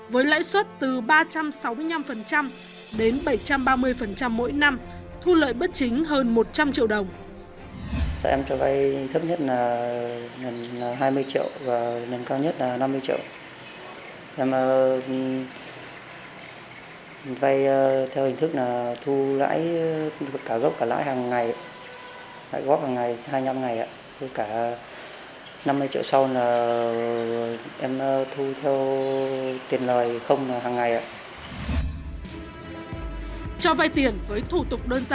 với lãi suất từ ba trăm sáu mươi năm đến bảy trăm ba mươi mỗi năm thu lợi bất chính hơn một trăm linh triệu đồng